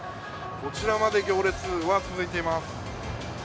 こちらまで行列は続いています。